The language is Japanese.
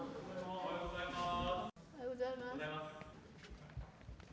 おはようございます。